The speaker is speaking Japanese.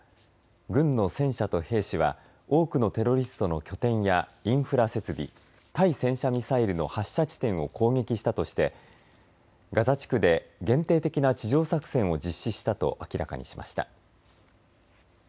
軍の戦車と兵士は多くのテロリストの拠点やインフラ設備、対戦車ミサイルの発射地点を攻撃したとしてガザ地区で限定的な地上作戦を実施したと明らかにしました。